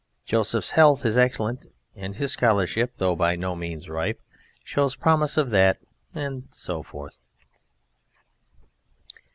Joseph's health is excellent, and his scholarship, though by no means ripe, shows promise of that ..." and so forth.